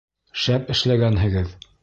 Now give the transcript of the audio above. — Шәп эшләгәнһегеҙ.